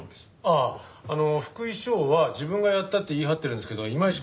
ああ福井翔は自分がやったって言い張ってるんですけどいまいち